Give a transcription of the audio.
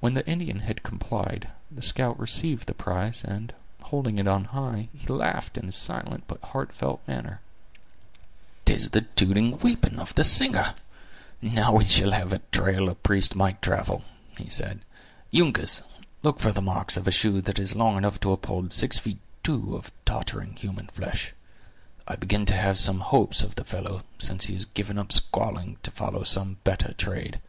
When the Indian had complied, the scout received the prize, and holding it on high, he laughed in his silent but heartfelt manner. "'Tis the tooting we'pon of the singer! now we shall have a trail a priest might travel," he said. "Uncas, look for the marks of a shoe that is long enough to uphold six feet two of tottering human flesh. I begin to have some hopes of the fellow, since he has given up squalling to follow some better trade."